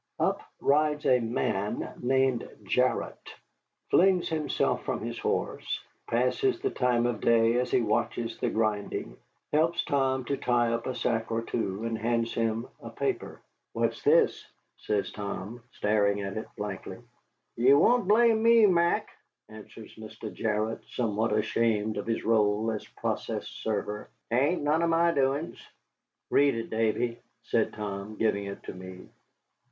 Up rides a man named Jarrott, flings himself from his horse, passes the time of day as he watches the grinding, helps Tom to tie up a sack or two, and hands him a paper. "What's this?" says Tom, staring at it blankly. "Ye won't blame me, Mac," answers Mr. Jarrott, somewhat ashamed of his rôle of process server. "'Tain't none of my doin's." "Read it, Davy," said Tom, giving it to me.